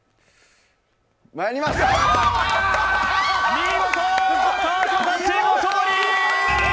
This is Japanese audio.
見事、川島さんチーム勝利！